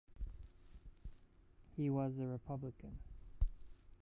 He was a Republican.